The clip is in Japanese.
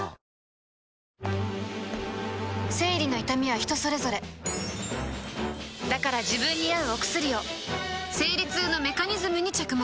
生理の痛みは人それぞれだから自分に合うお薬を生理痛のメカニズムに着目